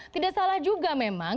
tidak salah juga memang